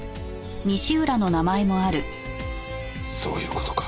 そういう事か。